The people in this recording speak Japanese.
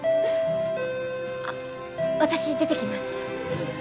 あ私出てきます